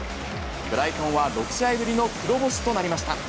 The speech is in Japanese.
ブライトンは６試合ぶりの黒星となりました。